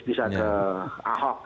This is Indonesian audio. bisa ke ahok